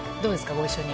ご一緒に。